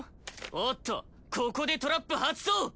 おっとここでトラップ発動！